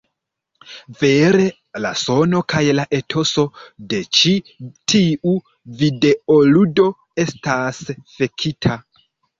Vere, la sono kaj la etoso de ĉi tiu videoludo estas fekita.